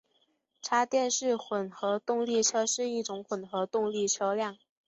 插电式混合动力车是一种混合动力车辆。